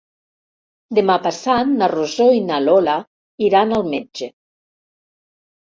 Demà passat na Rosó i na Lola iran al metge.